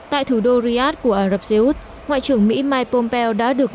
tại thủ đô riyadh của ả rập xê út ngoại trưởng mỹ mike pompeo đã được